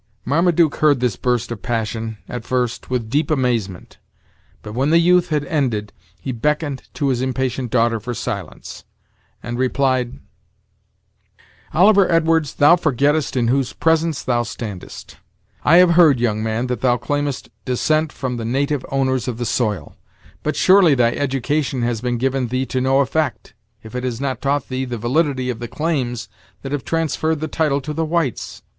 Marmaduke heard this burst of passion, at first, with deep amazement; but when the youth had ended, he beckoned to his impatient daughter for silence, and replied: "Oliver Edwards, thou forgettest in whose presence thou standest. I have heard, young man, that thou claimest descent from the native owners of the soil; but surely thy education has been given thee to no effect, if it has not taught thee the validity of the claims that have transferred the title to the whites.